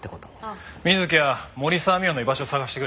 水木は森沢未央の居場所を捜してくれ。